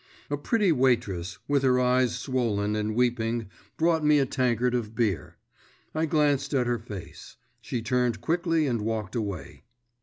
A pretty waitress, with her eyes swollen with weeping, brought me a tankard of beer; I glanced at her face. She turned quickly and walked away.